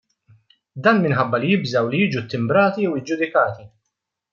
Dan minħabba li jibżgħu li jiġu ttimbrati jew iġġudikati.